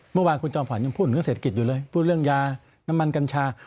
เมื่อวานคุณจอมขวัญยังพูดถึงเศรษฐกิจอยู่เลยพูดเรื่องยาน้ำมันกัญชา